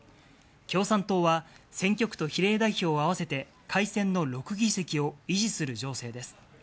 共産党は選挙区と比例代表を合わせて改選の６議席を維持する情勢です。